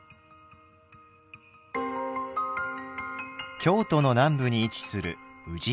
京都の南部に位置する宇治市。